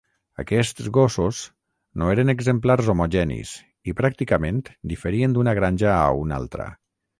Aquests gossos no eren exemplars homogenis i pràcticament diferien d'una granja a una altra.